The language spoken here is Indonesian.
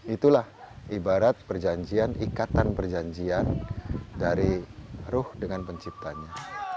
itulah ibarat perjanjian ikatan perjanjian dari ruh dengan penciptanya